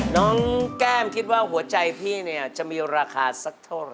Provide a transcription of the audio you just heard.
น้องแก้มคิดว่าหัวใจพี่เนี่ยจะมีราคาสักเท่าไห